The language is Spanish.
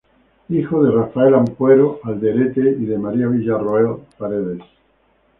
Hijo de Rafael Ampuero Alderete y de María Villarroel Paredes.